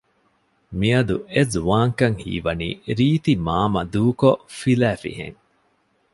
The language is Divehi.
މިއަދު އެ ޒުވާންކަން ހީވަނީ ރީތިމާމަ ދޫކޮށް ފިލައިފިހެން